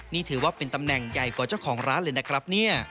นี่ถือว่าเป็นตำแหน่งใหญ่กว่าเจ้าของร้านเลยนะครับเนี่ย